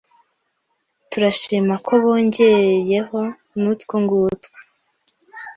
Turashima ko bongeyeho n’utwongutwo